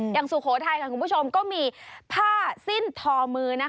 อย่างสุโขทัยคุณผู้ชมก็มีพาสิ้นทอมือ